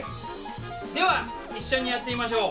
では一緒にやってみましょう。